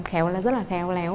khéo léo rất là khéo léo